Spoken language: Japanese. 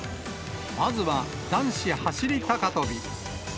まずは、男子走り高跳び。